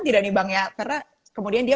tidak nih bang ya karena kemudian dia